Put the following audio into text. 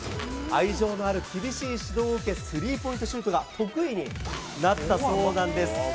愛情のある厳しい指導を受け、スリーポイントシュートが得意になったそうなんです。